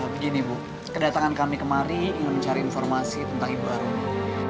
begini bu kedatangan kami kemari ingin mencari informasi tentang ibu barunya